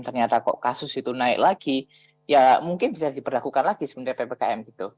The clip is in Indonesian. ternyata kok kasus itu naik lagi ya mungkin bisa diperlakukan lagi sebenarnya ppkm gitu